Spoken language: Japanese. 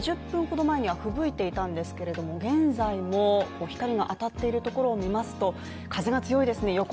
２０分ほど前には吹雪いていたんですけれども現在も光が当たっているところを見ますと、風が強いですね